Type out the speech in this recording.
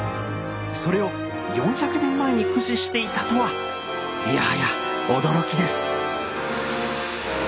それを４００年前に駆使していたとはいやはや驚きです。